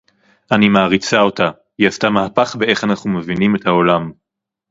אני מעריצה אותה. היא עשתה מהפך באיך אנחנו מבינים את העולם